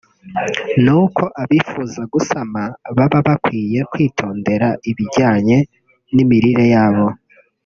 ni uko abifuza gusama baba bakwiye kwitondera ibijyanye n’imirire yabo